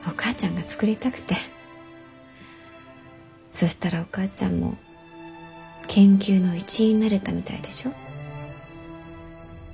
そしたらお母ちゃんも研究の一員になれたみたいでしょ？